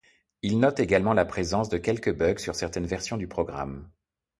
Il note également la présence de quelques bugs sur certaines versions du programme.